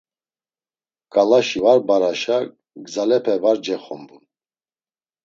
Ǩalaşi var baraşa gzalepe var cexombun.